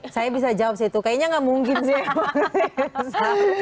saya bisa jawab sih itu kayaknya gak mungkin sih